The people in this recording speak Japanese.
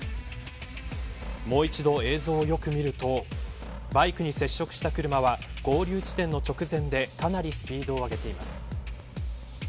もう一度、映像をよく見るとバイクに接触した車は合流地点の直前でかなりスピードを上げています。